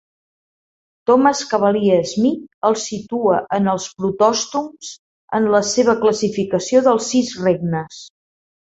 Thomas Cavalier-Smith els situa en els protòstoms en la seva classificació dels "sis regnes".